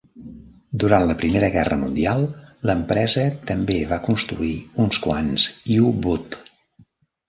Durant la Primera Guerra Mundial, l'empresa també va construir uns quants U-boot.